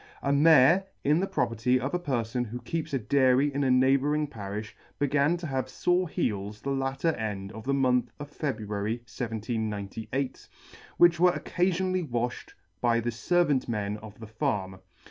A mare, the property of a perfon who keeps a dairy in a neighbouring parifli, began to have fore heels the latter end of the month of February 1798, which were occafionally wafhed by the fervant men of the farm.